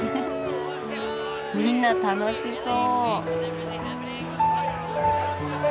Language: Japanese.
みんな楽しそう。